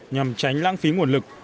nhằm tránh lãng phí nguồn lực